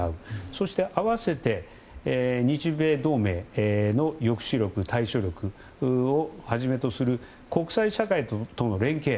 そして合わせて日米同盟の抑止力、対処力をはじめとする国際社会との連携